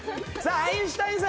アインシュタインさん